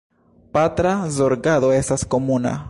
Patra zorgado estas komuna.